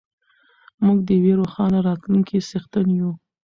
موږ د یوې روښانه راتلونکې څښتن یو.